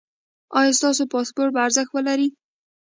ایا ستاسو پاسپورت به ارزښت ولري؟